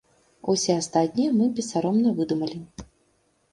Усе астатнія мы бессаромна выдумалі.